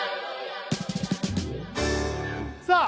さあ